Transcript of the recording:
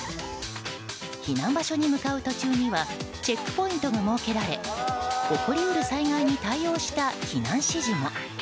避難場所に向かう途中にはチェックポイントが設けられ起こり得る災害に対応した避難指示も。